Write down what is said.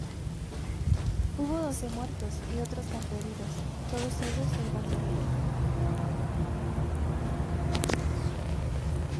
Hubo doce muertos y otros tantos heridos, todos ellos del bando rebelde.